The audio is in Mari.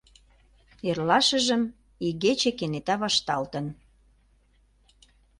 Эрлашыжым игече кенета вашталтын.